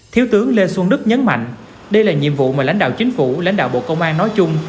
thiếu tướng lê xuân đức nhấn mạnh đây là nhiệm vụ mà lãnh đạo chính phủ lãnh đạo bộ công an nói chung